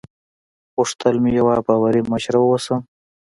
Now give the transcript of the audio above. غوښتل مې یوه باوري مشره واوسم.